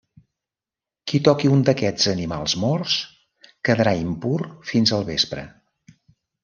Qui toqui un d'aquests animals morts, quedarà impur fins al vespre.